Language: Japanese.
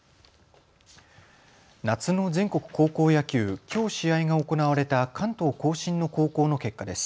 夏の全国高校野球、きょう試合が行われた関東甲信の高校の結果です。